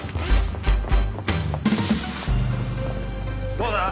どうだ？